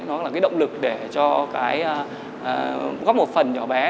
nó là cái động lực để cho cái góp một phần nhỏ bé